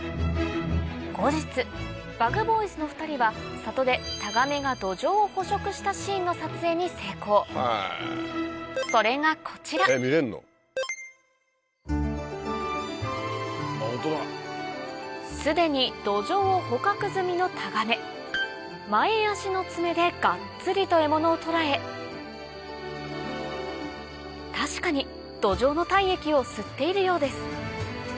後日ＢＵＧＢＯＹＳの２人は里でタガメがドジョウを捕食したシーンの撮影に成功それがこちら既にドジョウを捕獲済みのタガメ前足の爪でガッツリと獲物を捕らえ確かにドジョウの体液を吸っているようです